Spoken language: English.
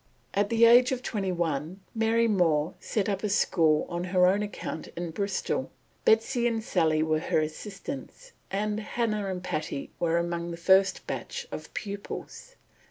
At the age of twenty one, Mary More set up a school on her own account in Bristol. Betsy and Sally were her assistants, and Hannah and Patty were among the first batch of pupils.